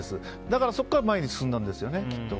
だから、そこから前に進んだんですよね、きっと。